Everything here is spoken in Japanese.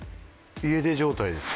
家出状態ですか？